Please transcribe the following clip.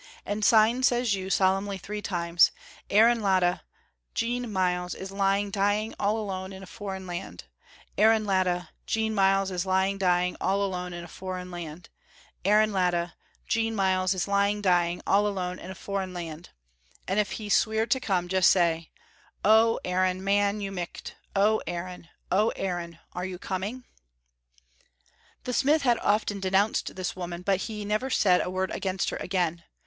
And syne says you solemnly three times, 'Aaron Latta, Jean Myles is lying dying all alone in a foreign land; Aaron Latta, Jean Myles is lying dying all alone in a foreign land; Aaron Latta, Jean Myles is lying dying all alone in a foreign land.' And if he's sweer to come, just say, 'Oh, Aaron, man, you micht; oh, Aaron, oh, Aaron, are you coming?'" The smith had often denounced this woman, but he never said a word against her again.